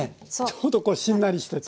ちょうどこうしんなりしてて。